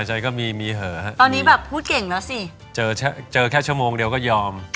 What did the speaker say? ใจก็มีมีเหอะฮะตอนนี้แบบพูดเก่งแล้วสิเจอแค่ชั่วโมงเดียวก็ยอม